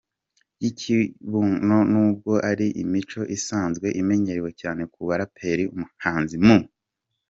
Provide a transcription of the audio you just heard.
yikibuno, nubwo ari imico isanzwe imenyerewe cyane ku baraperi, umuhanzi mu.